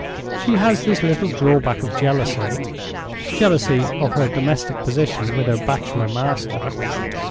She has this little drawback of jealousy—jealousy of her domestic position with her bachelor master.